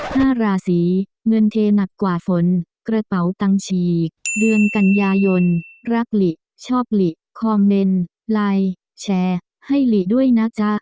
ห้าราศีเงินเทหนักกว่าฝนกระเป๋าตังฉีกเดือนกันยายนรักหลิชอบหลีคอมเมนต์ไลน์แชร์ให้หลีด้วยนะจ๊ะ